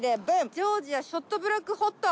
ジョージアショットブラックホット。